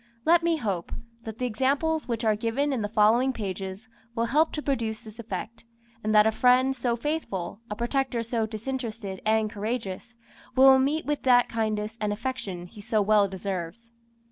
Let me hope, that the examples which are given in the following pages will help to produce this effect, and that a friend so faithful, a protector so disinterested and courageous, will meet with that kindness and affection he so well deserves.